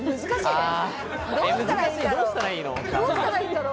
どうしたらいいの？